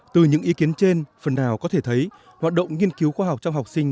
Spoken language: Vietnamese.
từ những ý kiến trên phần nào có thể thấy hoạt động nghiên cứu khoa học trong học sinh